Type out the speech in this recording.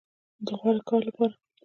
د غوره کار لپاره